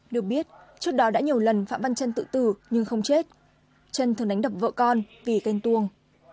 được biết trước đó đã nhiều lần phạm văn trân tự tử nhưng không chết chân thường đánh đập vợ con vì ghen tuông